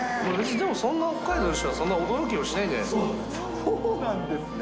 でもそんな、北海道の人は、そんな驚きもしないんじゃないでそうなんですね。